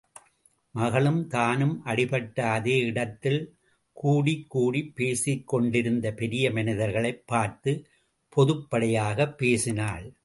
மகளும், தானும் அடிபட்ட அதே இடத்தில் கூடிக்கூடிப் பேசிக் கொண்டிருந்த பெரிய மனிதர்களைப் பார்த்து பொதுப்படையாகப் பேசினாள்.